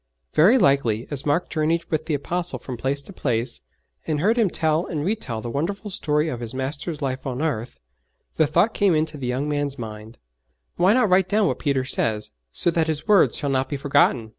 Very likely, as Mark journeyed with the Apostle from place to place, and heard him tell and retell the wonderful story of His Master's life on earth, the thought came into the young man's mind, 'Why not write down what Peter says, so that his words shall not be forgotten?'